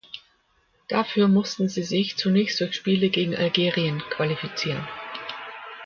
Dafür mussten sie sich zunächst durch Spiele gegen Algerien qualifizieren.